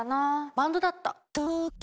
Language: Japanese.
バンドだった。